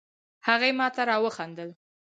هغې ماته را وخندل